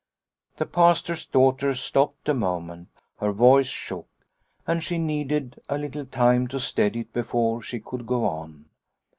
The Pastor's daughter stopped a moment. Her voice shook, and she needed a little time to steady it before" she could go on.